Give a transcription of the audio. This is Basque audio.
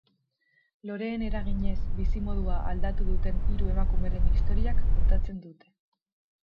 Loreen eraginez bizimodua aldatu duten hiru emakumeren istorioak kontatzen dute.